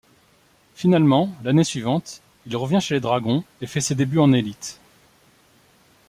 Finalement, l'année suivante, il revient chez les Dragons et fait ses débuts en Elite.